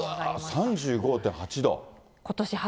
３５．８度。